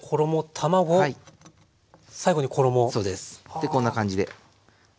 でこんな感じで。